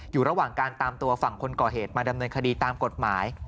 อยู่ระหว่างการตามตัวฝั่งคนก่อเหตุมาดำเนินคดีตามกฎหมาย